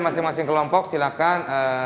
masing masing kelompok silahkan